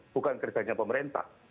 bukan kerjanya pemerintah